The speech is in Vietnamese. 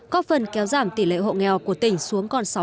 có phần kéo giảm tỷ lệ hộ nghèo của tỉnh xuống còn sáu hai mươi ba